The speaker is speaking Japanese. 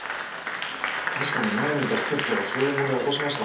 確かに前にいた施設ではそういう問題は起こしました。